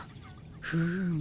フーム。